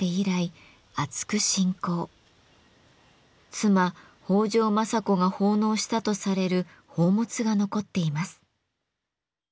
妻・北条政子が奉納したとされる宝物が残っています。